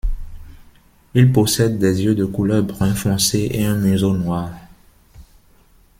Il possède des yeux de couleur brun foncé et un museau noir.